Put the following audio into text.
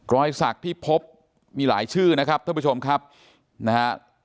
รอยสักที่พบมีหลายชื่อนะครับท่านผู้ชมครับนะฮะ